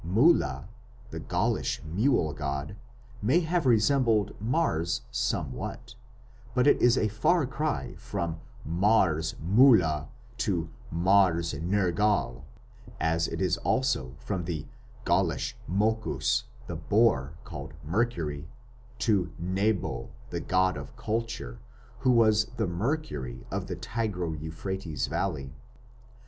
Mulla, the Gaulish mule god, may have resembled Mars somewhat, but it is a "far cry" from Mars Mulla to Mars Nergal, as it is also from the Gaulish Moccus, the boar, called "Mercury", to Nebo, the god of culture, who was the "Mercury" of the Tigro Euphrates valley.